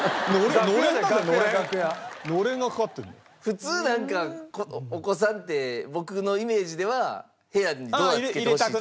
普通なんかお子さんって僕のイメージでは部屋にドア付けてほしいとか。